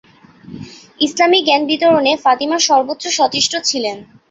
ইসলামী জ্ঞান বিতরণে ফাতিমা সর্বোচ্চ সচেষ্ট ছিলেন।